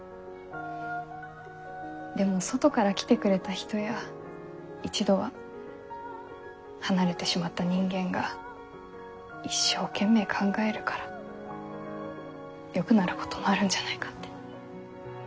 でも外から来てくれた人や一度は離れてしまった人間が一生懸命考えるからよくなることもあるんじゃないかって。